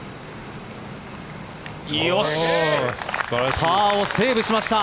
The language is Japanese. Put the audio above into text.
パーをセーブしました。